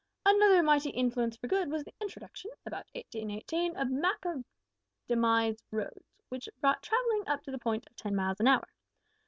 "Another mighty influence for good was the introduction (about 1818) of macadamised roads, which brought travelling up to the point of ten miles an hour.